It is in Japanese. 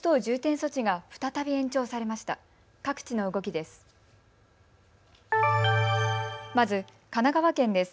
各地の動きです。